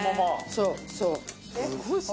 そうそう。